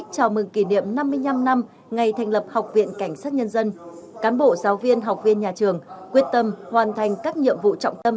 cán bộ giáo viên học viên nhà trường quyết tâm hoàn thành các nhiệm vụ trọng tâm